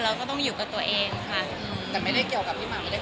เราก็ต้องอยู่กับตัวเองค่ะแต่ไม่ได้เกี่ยวกับที่ฉัน